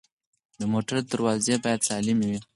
د موټر دروازې باید سالمې وي.